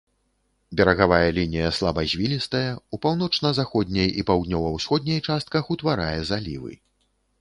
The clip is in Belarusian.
Берагавая лінія слабазвілістая, у паўночна-заходняй і паўднёва-ўсходняй частках утварае залівы.